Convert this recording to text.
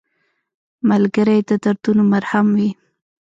ملګری د دردونو مرهم وي